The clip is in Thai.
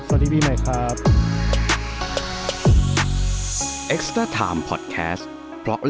สวัสดีปีใหม่ครับ